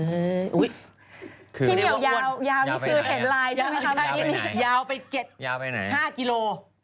พี่เหนียวยาวยาวนี่คือเห็นไลน์ใช่ไหมครับยาวไป๗๕กิโล